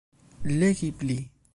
Legi pli.